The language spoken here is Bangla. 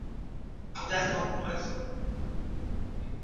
আজ বিভাকে সহসা দেখিয়া উদয়াদিত্যের মনে অত্যন্ত আনন্দ হইল।